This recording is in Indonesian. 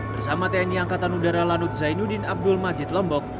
bersama tni angkatan udara lanut zainuddin abdul majid lombok